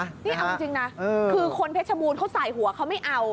นี่เอาจริงนะคือคนเพชรบูรณเขาใส่หัวเขาไม่เอา